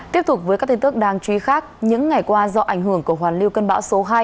tiếp tục với các tin tức đang truy khác những ngày qua do ảnh hưởng của hoàn lưu cân bão số hai